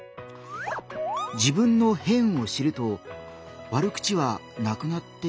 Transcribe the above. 自分の「変」を知ると悪口はなくなっていくかなぁ？